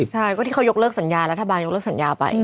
ใช่ก็ที่เขายกเลิกสัญญารัฐบาลยกเลิกสัญญาไป